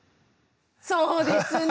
そうですね！